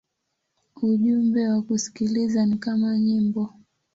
Ujumbe wa kusikiliza ni kama nyimbo.